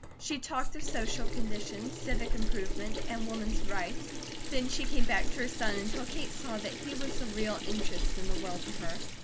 She talked of social conditions, Civic Improvement, and Woman's Rights, then she came back to her son, until Kate saw that he was the real interest in the world to her.